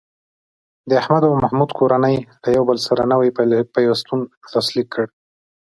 د احمد او محمود کورنۍ یو له بل سره نوی پیوستون لاسلیک کړ.